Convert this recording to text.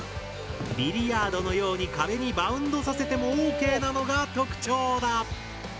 ビリヤードのように壁にバウンドさせてもＯＫなのが特徴だ。